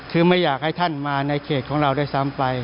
คือไม่อยากให้ท่านมาในเขตของเราด้วยซ้ำไป